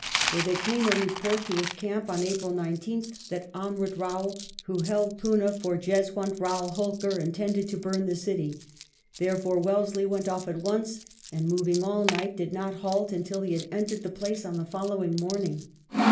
For there came a report to his camp on April 19th that Amrut Kao, who held Poona for Jeswunt Rao Holkar, intended to bum the city ; therefore Wellesley went oflF at once, and, moving all night, did not halt until he had entered the place on the following morning.